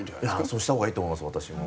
そうしたほうがいいと思います私も。